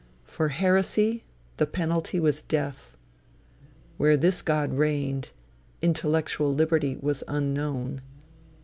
For heresy, the penalty was death. Where this God reigned, intellectual liberty was unknown.